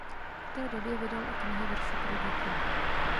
V té době vydal i knihy veršů pro děti.